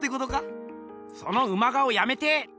そのウマ顔やめて！